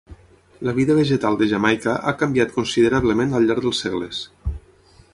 La vida vegetal de Jamaica ha canviat considerablement al llarg dels segles.